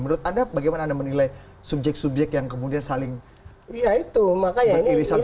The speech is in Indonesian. menurut anda bagaimana anda menilai subjek subjek yang kemudian saling beririsan satu sama lain